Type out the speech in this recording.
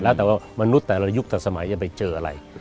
แล้วแต่ว่ามนุษย์แต่ละยุคต่อสมัยจะไปเจออะไร